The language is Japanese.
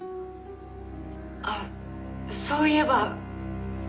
あっそういえば。